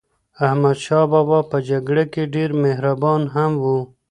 احمدشاه بابا په جګړه کې ډېر مهربان هم و.